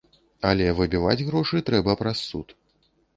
Але выбіваць грошы трэба праз суд.